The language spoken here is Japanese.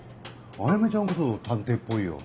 あやめちゃんこそ探偵っぽいよ。